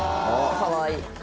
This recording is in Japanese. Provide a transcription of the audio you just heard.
かわいい。